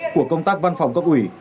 của công tác văn phòng cấp ủy